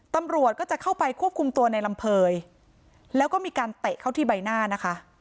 ตำรวจก็จะเข้าไปควบคุมตัวในลำเภยแล้วก็มีการเตะเข้าที่ใบหน้านะคะ